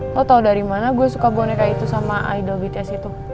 lo tahu dari mana gue suka boneka itu sama idol bts itu